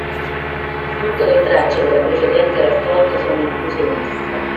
Tutte le tracce della precedente raccolta sono incluse in essa.